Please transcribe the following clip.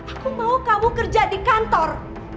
aku mau kamu kerja di kantor